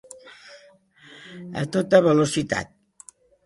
A tota velocitat.